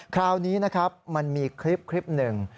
คราวนี้มันมีคลิปหนึ่ง